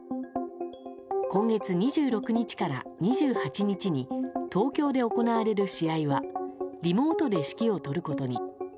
今月２６日から２８日に東京で行われる試合はリモートで指揮を執ることに。